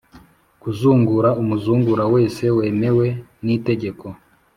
Kuzungura umuzungura wese wemewe n itegeko